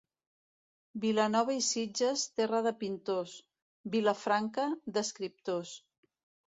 Vilanova i Sitges, terra de pintors; Vilafranca, d'escriptors.